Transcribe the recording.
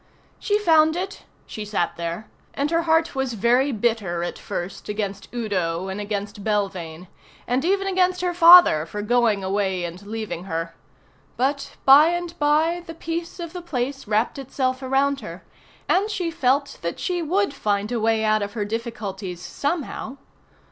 She found it, she sat there, and her heart was very bitter at first against Udo and against Belvane, and even against her father for going away and leaving her; but by and by the peace of the place wrapped itself around her, and she felt that she would find a way out of her difficulties somehow.